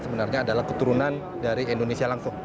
sebenarnya adalah keturunan dari indonesia langsung